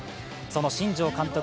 その新庄監督